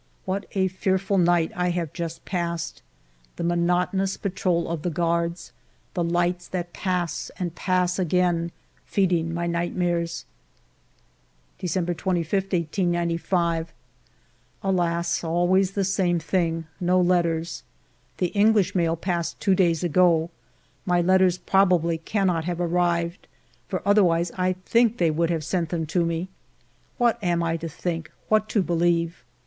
What a fearful night I have just passed ! The monotonous patrol of the guards, the lights that pass and pass again, feeding my nightmares. December 25, 1895. Alas ! always the same thing ; no letters. The English mail passed two days ago. My letters probably cannot have arrived, for other wise I think they would have sent them to me. What am I to think, what to believe